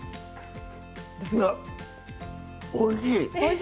おいしい！